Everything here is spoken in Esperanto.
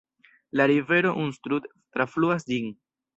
La rivero Unstrut trafluas ĝin.